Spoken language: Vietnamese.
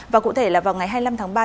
và cụ thể là vào ngày hai mươi năm tháng ba